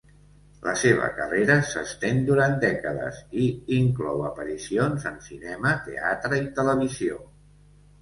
La seva carrera s'estén durant dècades i inclou aparicions en cinema, teatre i televisió.